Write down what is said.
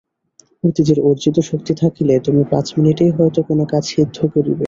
অতীতের অর্জিত শক্তি থাকিলে তুমি পাঁচ মিনিটেই হয়তো কোন কাজ সিদ্ধ করিবে।